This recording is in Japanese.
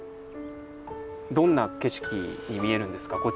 どんな景色に見えるんですか？